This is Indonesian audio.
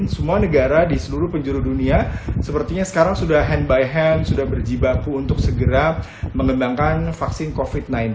semua negara di seluruh penjuru dunia sepertinya sekarang sudah hand by hand sudah berjibaku untuk segera mengembangkan vaksin covid sembilan belas